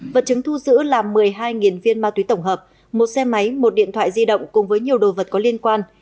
vật chứng thu giữ là một mươi hai viên ma túy tổng hợp một xe máy một điện thoại di động cùng với nhiều đồ vật có liên quan